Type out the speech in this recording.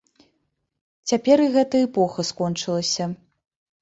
Цяпер і гэтая эпоха скончылася.